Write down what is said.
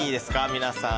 皆さん。